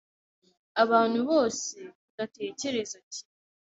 abantu bose tudatekereza kimwe